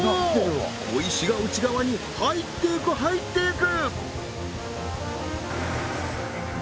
小石が内側に入っていく入っていく！